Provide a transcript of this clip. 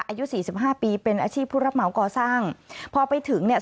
อายุสี่สิบห้าปีเป็นอาชีพผู้รับเหมาก่อสร้างพอไปถึงเนี่ย